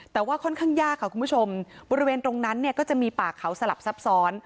แต่ว่าค่อนข้างยากค่ะคุณผู้ชมบริเวณตรงนั้นเนี่ยก็จะมีป่าเขาสลับซับซ้อน